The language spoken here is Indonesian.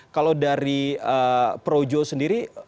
kalau dari projo sendiri